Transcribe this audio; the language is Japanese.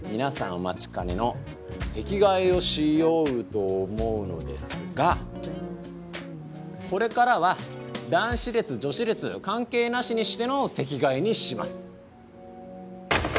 お待ちかねの席替えをしようと思うのですがこれからは男子列女子列関係なしにしての席替えにします。